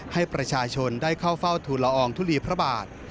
ให้ประชาชนได้เข้าเฝ้าทุนละอองทุลีพระบาท